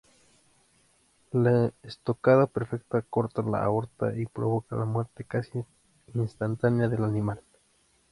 La estocada perfecta corta la aorta y provoca la muerte casi instantánea del animal.